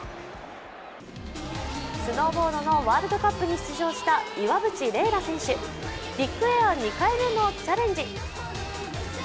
スノーボードのワールドカップに出場した岩渕麗楽選手ビッグエア２回目のチャレンジ。